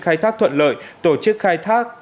khai thác thuận lợi tổ chức khai thác